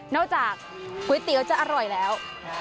จากก๋วยเตี๋ยวจะอร่อยแล้ว